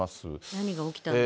何が起きたのかと。